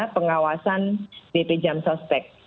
pengawasan bp jam sospek